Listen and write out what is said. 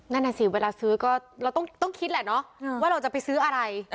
นั่นน่ะสิเวลาซื้อก็เราต้องคิดแหละเนาะว่าเราจะไปซื้ออะไร